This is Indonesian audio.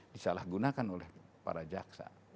disalahgunakan oleh para jaksa